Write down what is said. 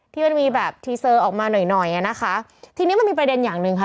ที่มันมีแบบทีเซอร์ออกมาหน่อยหน่อยอ่ะนะคะทีนี้มันมีประเด็นอย่างหนึ่งค่ะ